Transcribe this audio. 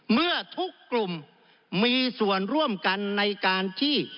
เมื่อทุกกลุ่มมีส่วนร่วมกันในการที่